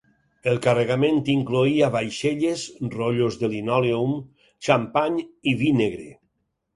El carregament incloïa vaixelles, rotllos de linòleum, xampany i vi negre.